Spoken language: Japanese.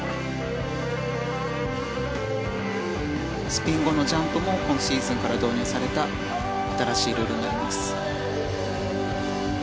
スピン後のジャンプも今シーズンから導入された新しいルールになります。